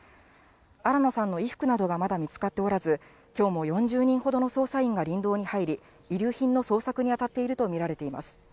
新野さんの衣服などがまだ見つかっておらず、きょうも４０人ほどの捜査員が林道に入り、遺留品の捜索に当たっていると見られています。